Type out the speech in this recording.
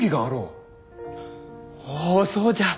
おぉそうじゃ！